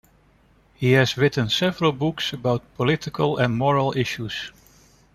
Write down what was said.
He has written several books about political and moral issues.